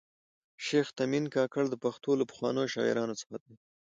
شېخ تیمن کاکړ د پښتو له پخوانیو شاعرانو څخه دﺉ.